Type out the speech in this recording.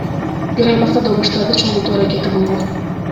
Бир аймакта добуштарды чогултуу аракети болгон.